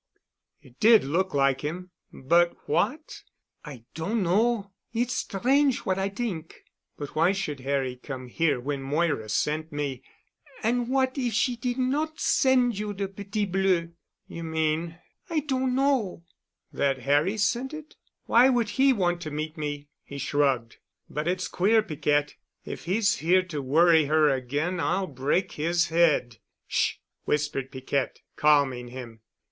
It did look like him—but what——?" "I doan know. Its strange what I t'ink——" "But why should Harry come here when Moira sent me——" "An' what if she did not send you de Petit Bleu?" "You mean——?" "I doan know——" "That Harry sent it? Why would he want to meet me?" he shrugged. "But it's queer, Piquette. If he's here to worry her again I'll break his head." "Sh——," whispered Piquette, calming him.